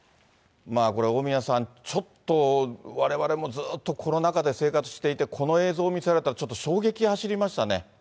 これ、大宮さん、ちょっとわれわれもずっとコロナ禍で生活していて、この映像見せられたらちょっと衝撃走りましたね。